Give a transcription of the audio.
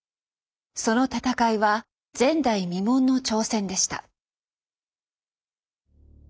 その戦いは前代未聞の挑戦でした。